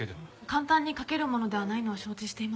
簡単に書けるものではないのは承知しています。